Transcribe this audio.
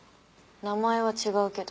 名前は違うけど。